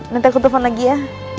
nanti aku telfon lagi ya